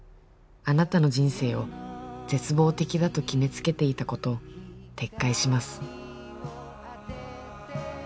あなたの人生を絶望的だと決めつけていたこと撤回します